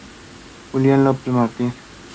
Julián López Martín.